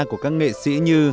của các nghệ sĩ như